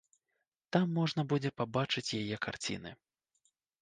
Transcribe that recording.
Там можна будзе пабачыць яе карціны.